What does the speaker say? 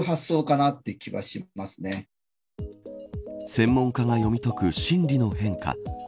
専門家が読み解く心理の変化。